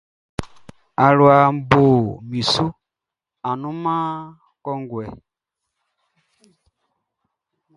Aluaʼn bo akpɔʼn su annunman kɔnguɛ.